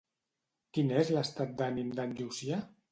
Quin és l'estat d'ànim d'en Llucià?